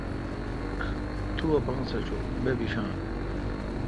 تو اپان سہ چو۔ بہ بیشان۔